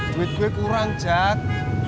duit gue kurang jak